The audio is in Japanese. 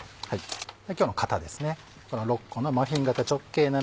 今日の型ですね。